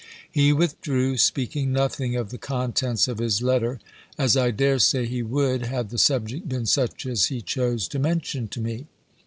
He withdrew, speaking nothing of the contents of his letter; as I dare say he would, had the subject been such as he chose to mention to me.